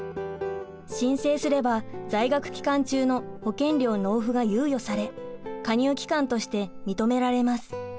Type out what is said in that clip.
申請すれば在学期間中の保険料納付が猶予され加入期間として認められます。